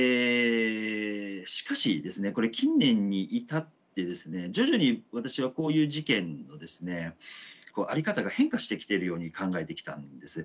しかしですねこれ近年に至ってですね徐々に私はこういう事件のですね在り方が変化してきているように考えてきたんです。